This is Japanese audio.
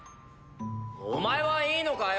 お前はいいのかよ？